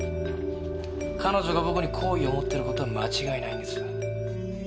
彼女が僕に好意を持ってる事は間違いないんです。